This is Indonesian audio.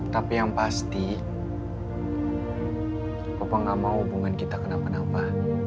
tapi yang pasti bapak gak mau hubungan kita kenapa napa